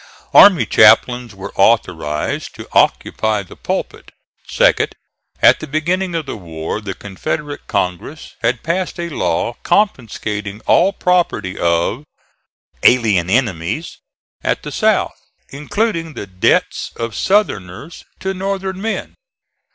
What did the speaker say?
Army chaplains were authorized to occupy the pulpit. Second: at the beginning of the war the Confederate Congress had passed a law confiscating all property of "alien enemies" at the South, including the debts of Southerners to Northern men.